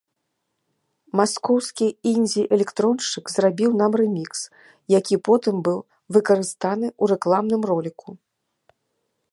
Маскоўскі індзі-электроншчык зрабіў нам рэмікс, які потым быў выкарыстаны ў рэкламным роліку.